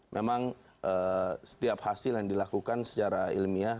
memang setiap hasil yang dilakukan secara ilmiah